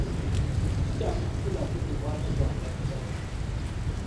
Si kyangu kufuna kuddibwamu kwa mbagirawo.